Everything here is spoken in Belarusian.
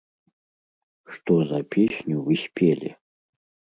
Што за песню вы спелі?